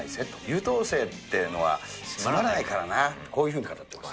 優等生というのはつまらないからなって、こういうふうに語ってます。